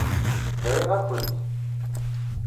Briɣ-akent.